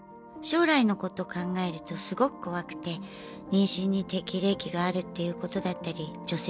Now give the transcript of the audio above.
将来のことを考えるとすごく怖くて妊娠に適齢期があるっていうことだったり女性がキャリアアップしづらい。